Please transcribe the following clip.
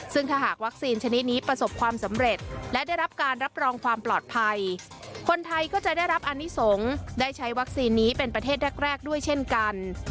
ซึ่งถ้าหากวัคซีนชนิดนี้ประสบความสำเร็จและได้รับการรับรองความปลอดภัยคนไทยก็จะได้รับอนิสงฆ์ได้ใช้วัคซีนนี้เป็นประเทศแรกด้วยเช่นกัน